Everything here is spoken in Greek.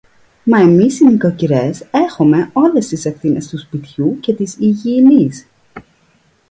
Μα εμείς οι νοικοκυρές έχομε όλες τις ευθύνες του σπιτιού και της υγιεινής